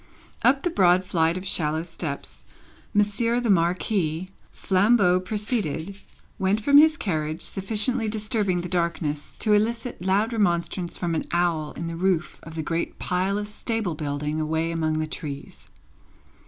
Up the broad flight of shallow steps, Monsieur the Marquis, flambeau preceded, went from his carriage, sufficiently disturbing the darkness to elicit loud remonstrance from an owl in the roof of the great pile of stable building away among the trees.